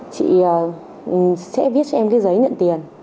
chị sẽ viết cho em cái giấy nhận tiền